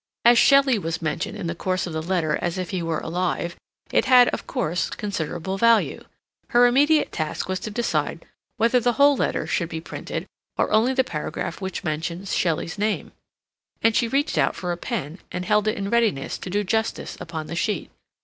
As Shelley was mentioned in the course of the letter as if he were alive, it had, of course, considerable value. Her immediate task was to decide whether the whole letter should be printed, or only the paragraph which mentioned Shelley's name, and she reached out for a pen and held it in readiness to do justice upon the sheet.